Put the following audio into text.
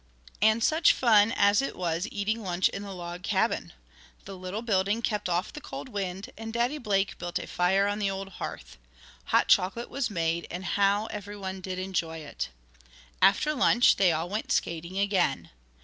And such fun as it was eating lunch in the log cabin. The little building kept off the cold wind, and Daddy Blake built a fire on the old hearth. Hot chocolate was made; and how everyone did enjoy it! After lunch they all went skating again.